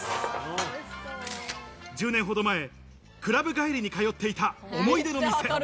１０年ほど前、クラブ帰りに通って行った思い出の店。